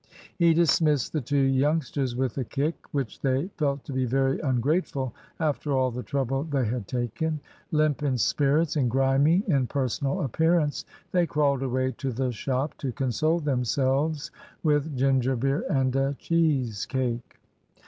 He dismissed the two youngsters with a kick, which they felt to be very ungrateful after all the trouble they had taken. Limp in spirits and grimy in personal appearance, they crawled away to the shop to console themselves with ginger beer and a cheese cake.